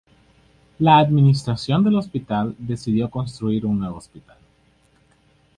La administración del hospital decidió construir un nuevo hospital.